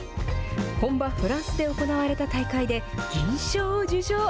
本場、フランスで行われた大会で、銀賞を受賞。